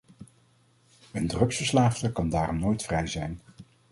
Een drugsverslaafde kan daarom nooit vrij zijn.